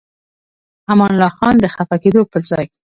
امان الله خان د خفه کېدو پر ځای.